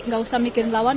gak usah mikirin lawan